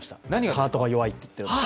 ハートが弱いって言っているの。